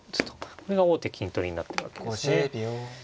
これが王手金取りになってるわけですね。